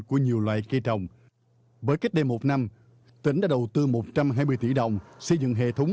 của nhiều loài cây trồng với cách đây một năm tỉnh đã đầu tư một trăm hai mươi tỷ đồng xây dựng hệ thống